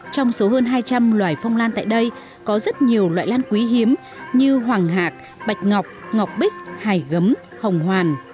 trong số hơn hai trăm linh loài phong lan tại đây có rất nhiều loại lan quý hiếm như hoàng hạc bạch ngọc ngọc bích hải gấm hồng hoàn